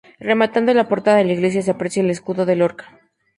Rematando la portada de la iglesia se aprecia el escudo de Lorca.